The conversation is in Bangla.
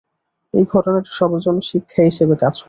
এই ঘটনাটি সবার জন্য শিক্ষা হিসেবে কাজ করুক।